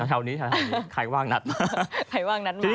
แถวนี้ใครว่างนัด